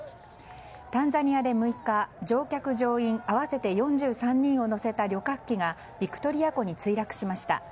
タンザニアで６日乗客・乗員合わせて４３人を乗せた旅客機がビクトリア湖に墜落しました。